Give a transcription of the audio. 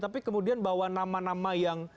tapi kemudian bahwa nama nama yang